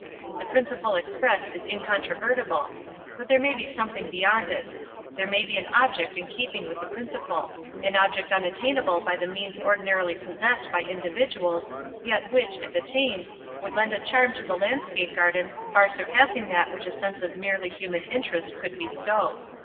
The principle expressed is incontrovertible—but there may be something beyond it. There may be an object in keeping with the principle—an object unattainable by the means ordinarily possessed by individuals, yet which, if attained, would lend a charm to the landscape garden far surpassing that which a sense of merely human interest could bestow.